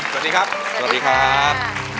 สวัสดีครับสวัสดีครับสวัสดีครับ